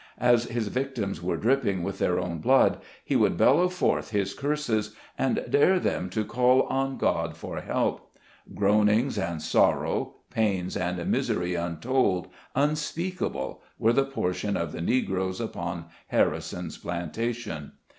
As his victims were dripping with their own blood, he would bellow forth his curses, and dare them to call on God for help. Groanings and sorrow, pains and misery untold, unspeakable, FARMS ADJOINING EDLOE'S. 167 were the portion of the Negroes upon Harrison's plantation.